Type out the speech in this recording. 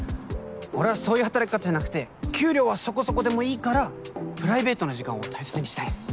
俺はそういう働き方じゃなくて給料はそこそこでもいいからプライベートな時間を大切にしたいっす。